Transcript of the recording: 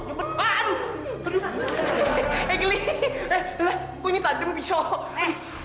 ah aduh aduh eh geli eh gila aku ini tajam pisau